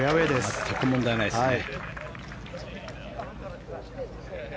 全く問題ないですね。